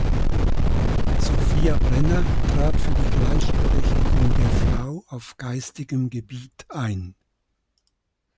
Sophia Brenner trat für die Gleichberechtigung der Frau auf geistigem Gebiet ein.